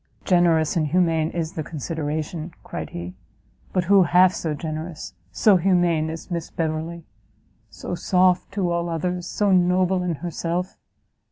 "Generous and humane is the consideration," cried he; "but who half so generous, so humane as Miss Beverley? so soft to all others, so noble in herself?